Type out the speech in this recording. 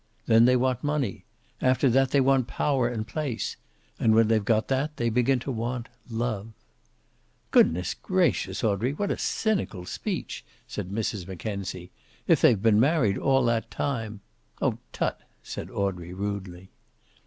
Then they want money. After that they want power and place. And when they've got that they begin to want love." "Good gracious, Audrey, what a cynical speech!" said Mrs. Mackenzie. "If they've been married all that time " "Oh, tut!" said Audrey, rudely.